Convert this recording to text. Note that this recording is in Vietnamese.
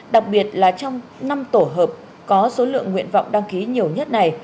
đặc biệt là trong năm tổ hợp có số lượng nguyện vọng đăng ký nhiều nhất này